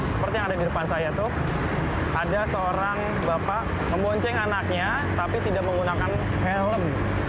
seperti yang ada di depan saya tuh ada seorang bapak membonceng anaknya tapi tidak menggunakan helm